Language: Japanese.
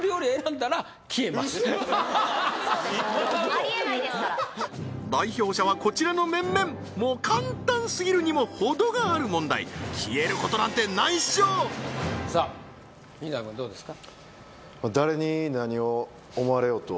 ありえないですから代表者はこちらの面々もう簡単すぎるにも程がある問題消えることなんてないっしょさあ桐谷くんどうですか？